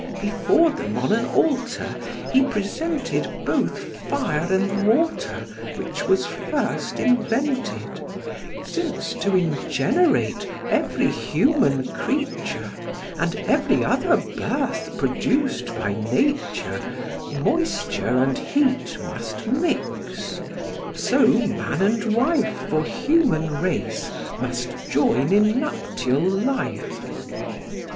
Before them on an altar he presented Both fire and water, which was first invented, Since to ingenerate every human creature And every other birth produc'd by Nature, Moisture and heat must mix; so man and wife For human race must join in nuptial life.